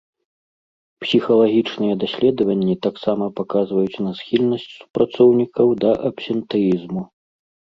Псіхалагічныя даследаванні таксама паказваюць на схільнасць супрацоўнікаў да абсентэізму.